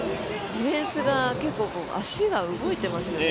ディフェンスが結構、足が動いてますよね。